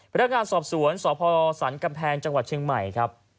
พระราชงานสอบสวนสศกำแพงจังหวัดเชียงใหม่ครับ